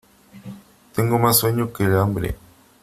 Tengo más sueño que hambre.